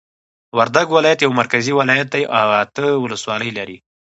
وردګ ولایت یو مرکزی ولایت دی او اته ولسوالۍ لری